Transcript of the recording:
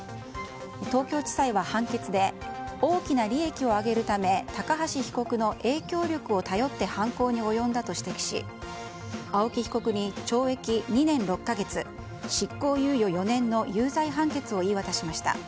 東京地裁は判決で大きな利益を上げるため高橋被告の影響力を頼って犯行に及んだと指摘し青木被告に懲役２年６か月、執行猶予４年の有罪判決を言い渡しました。